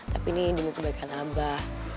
tapi ini di muka kebaikan abah